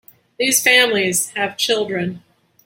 These families have children.